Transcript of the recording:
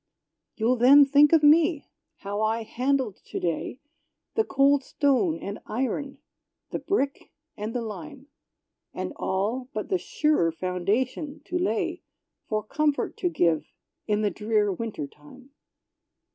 You'll then think of me; how I handled to day The cold stone and iron the brick and the lime: And all, but the surer foundation to lay For comfort to give in the drear winter time.